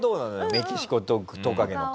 メキシコドクトカゲの顔。